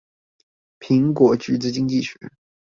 蘋果橘子經濟學